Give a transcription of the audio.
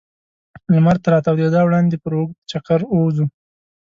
لمر تر راتودېدا وړاندې پر اوږد چکر ووځو.